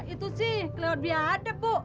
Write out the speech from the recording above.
itu sih kelewat biadep bu